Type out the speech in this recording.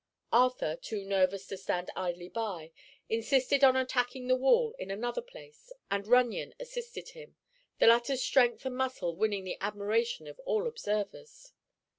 Arthur, too nervous to stand idly by, insisted on attacking the wall in another place and Runyon assisted him, the latter's strength and muscle winning the admiration of all observers.